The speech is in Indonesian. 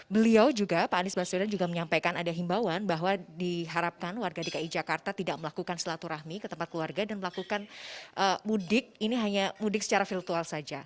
beliau juga pak anies baswedan juga menyampaikan ada himbauan bahwa diharapkan warga dki jakarta tidak melakukan silaturahmi ke tempat keluarga dan melakukan mudik ini hanya mudik secara virtual saja